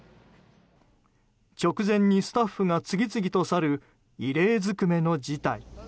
直前にスタッフが次々と去る異例尽くめの事態。